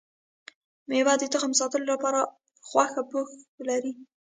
ميوه د تخم ساتلو لپاره غوښه پوښ لري